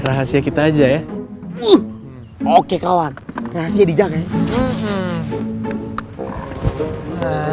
rahasia kita aja ya oke kawan rahasia dijaga ya